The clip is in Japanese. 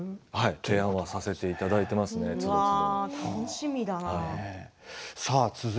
提案させていただいています、つどつど。